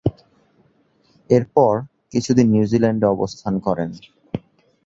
এরপর, কিছুদিন নিউজিল্যান্ডে অবস্থান করেন।